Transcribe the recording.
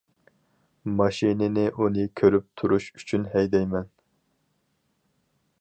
ماشىنىنى ئۇنى كۆرۈپ تۇرۇش ئۈچۈن ھەيدەيمەن.